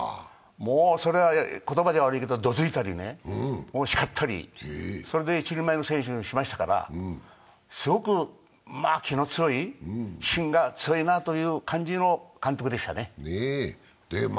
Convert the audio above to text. それは言葉は悪いけど、どついたり叱ったり、それで一人前の選手にしましたから、すごく気の強い、芯が強いなという感じの監督でしたね。